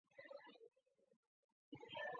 成化六年出生。